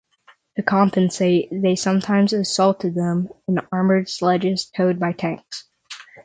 To compensate, they sometimes assaulted them in armoured sledges towed by tanks.